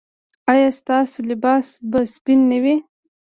ایا ستاسو لباس به سپین نه وي؟